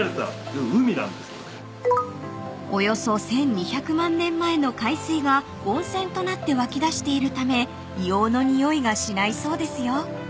［およそ１，２００万年前の海水が温泉となって湧き出しているため硫黄のにおいがしないそうですよ］